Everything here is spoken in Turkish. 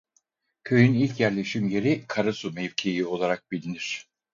Köyün ilk yerleşim yeri Karasu mevkii olarak bilinir.